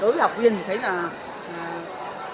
và đối với học viên thì thấy là vào đây thì có sức khỏe tăng lên